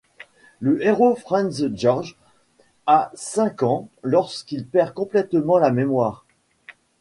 Le héros Franz-Georg a cinq ans lorsqu'il perd complètement la mémoire.